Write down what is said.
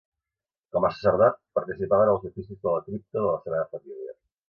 Com a sacerdot, participava en els oficis de la Cripta de la Sagrada Família.